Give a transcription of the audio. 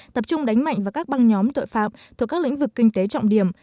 tập trung đánh mạnh vào các băng nhóm tội phạm thuộc các lĩnh vực kinh tế trọng điểm